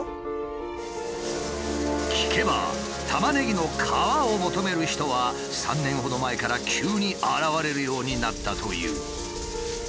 聞けばタマネギの皮を求める人は３年ほど前から急に現れるようになったという。